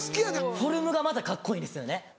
フォルムがまたカッコいいんですよね。